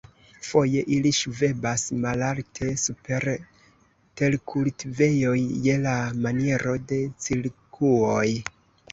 Foje ili ŝvebas malalte super terkultivejoj je la maniero de cirkuoj.